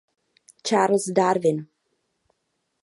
Charles Darwin.